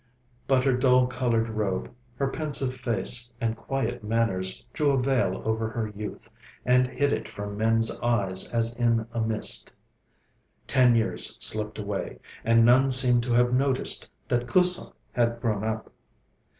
But her dull coloured robe, her pensive face, and quiet manners drew a veil over her youth, and hid it from men's eyes as in a mist. Ten years slipped away, and none seemed to have noticed that Kusum had grown up.